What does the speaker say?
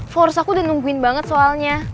tidak aku sudah nungguin soalnya